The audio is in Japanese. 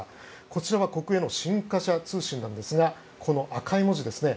こちらは国営の新華社通信ですがこの赤い文字ですね。